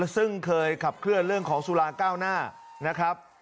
ซึ่งเคยขับเคลื่อนเรื่องของสุราเก้าหน้านะครับ